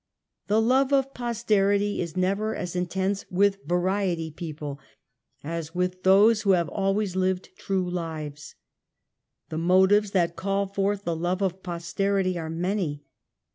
The love of posterity is never as intense with ya f riety people as with those w^ho have always lived true lives. The motives that call forth the love of posterity are many.